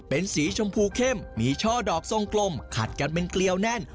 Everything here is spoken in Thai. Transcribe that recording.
เป็นสีชมพูเข้มมีช่อดอกทรงกลมขัดกันเป็นเกลียวแน่น